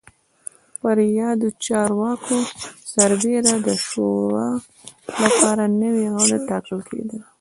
پر یادو چارواکو سربېره د شورا لپاره نوي غړي ټاکل کېدل